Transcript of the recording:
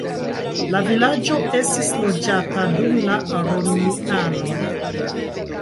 La vilaĝo estis loĝata dum la romianoj.